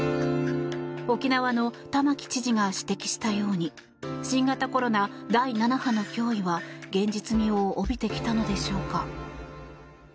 沖縄の玉城知事が指摘したように新型コロナ第７波の脅威は現実味を帯びてきたのでしょうか。